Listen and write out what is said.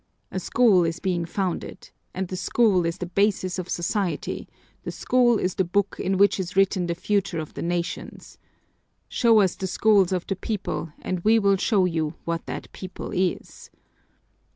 A school is being founded, and the school is the basis of society, the school is the book in which is written the future of the nations! Show us the schools of a people and We will show you what that people is.